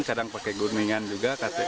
kadang pakai gurmingan juga